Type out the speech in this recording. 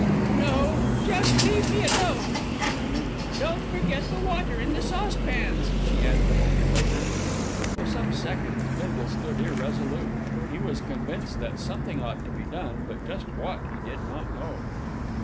"No; just leave me alone," she murmured. "Don't forget the water in the saucepans," she added a moment later. For some seconds Bindle stood irresolute. He was convinced that something ought to be done; but just what he did not know.